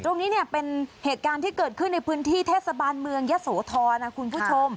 ตรงนี้เนี่ยเป็นเหตุการณ์ที่เกิดขึ้นในพื้นที่เทศบาลเมืองยะโสธรนะคุณผู้ชม